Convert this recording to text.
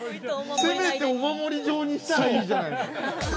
せめて、お守り状にしたらいいじゃない。